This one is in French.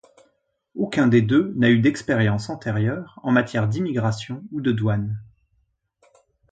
Aucun des deux n’a eu d’expérience antérieure en matière d’immigration ou de douane.